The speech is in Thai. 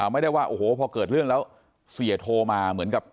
ไม่ได้ว่าโอ้โหพอเกิดเรื่องแล้วเสียโทรมาเหมือนกับ